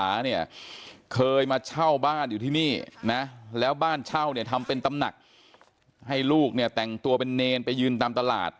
เคยมาเช่าบ้านอยู่ที่นี่นะแล้วบ้านเช่าเนี่ยทำเป็นตำหนักให้ลูกเนี่ยแต่งตัวเป็นเนรไปยืนตามตลาด